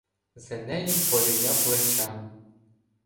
З Енеєм порівня плеча.